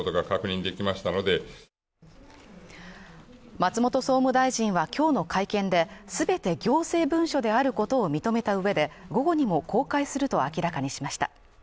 松本総務大臣は今日の会見で全て行政文書であることを認めた上で午後にも公開すると明らかにしました。